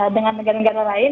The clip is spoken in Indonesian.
dengan negara negara lain